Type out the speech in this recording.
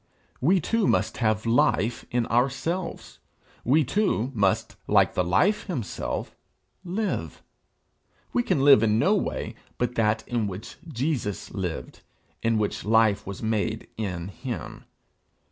We too must have life in ourselves. We too must, like the Life himself, live. We can live in no way but that in which Jesus lived, in which life was made in him.